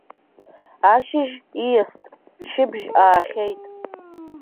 Ашьыжь ииаст, шьыбжь аахьеит.